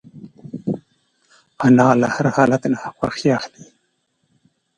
انا له هر حالت نه خوښي اخلي